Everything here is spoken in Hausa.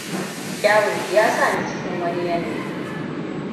Kyawunki ya sani cikin wani yanayi.